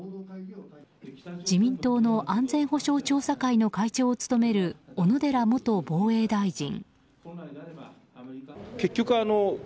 自民党の安全保障調査会の会長を務める小野寺元防衛大臣。